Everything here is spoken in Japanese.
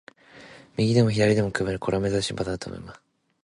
右でも左でも組める、これは珍しいパターンだと思います。